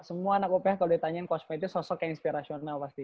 semua anak uph kalau ditanyain kosmet itu sosok yang inspirational pasti